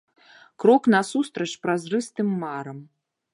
Крок насустрач празрыстым марам.